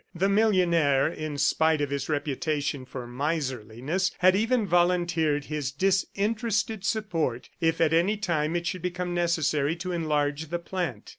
The millionaire, in spite of his reputation for miserliness, had even volunteered his disinterested support if at any time it should become necessary to enlarge the plant.